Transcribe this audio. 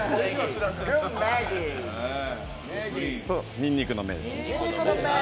ニンニクの芽。